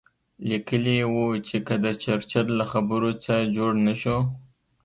لیکلي یې وو چې که د چرچل له خبرو څه جوړ نه شو.